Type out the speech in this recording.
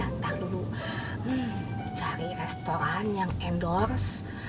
entah dulu cari restoran yang endorse